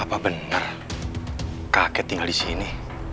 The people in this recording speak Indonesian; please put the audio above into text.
apa benar kakek tinggal di sini